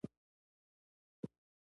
یا لږ تر لږه بې طرفه مطالعه نه شي کولای